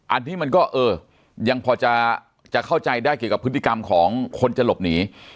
อันนี้มันก็เออยังพอจะเข้าใจได้เกี่ยวกับพฤติกรรมของคนจะหลบหนี